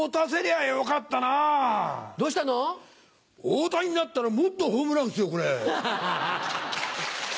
大谷だったらもっとホームラン打つよこれ。